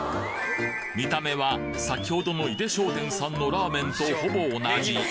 見た目は先ほどの井出商店さんのラーメンとほぼ同じ。